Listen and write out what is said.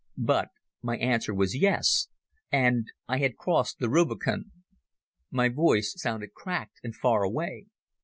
But my answer was Yes, and I had crossed the Rubicon. My voice sounded cracked and far away.